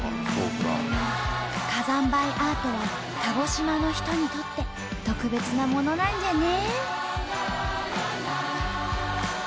火山灰アートは鹿児島の人にとって特別なものなんじゃね。